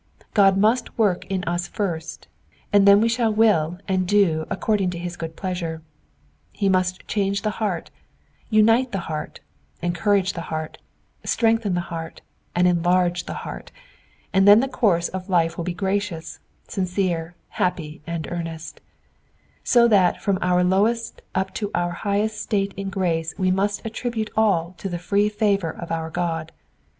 God must work in us fiiBt, and then we shall will and do according to his good pleasure. He must change the heart, unite the heart, encourage the heart, strengthen the heart, and enlarge the heart, and then the course of the life will be gracious, sincere, happy, and earnest ; so that from our lowest up to our highest state in grace we must attribute all to the free favour of our God.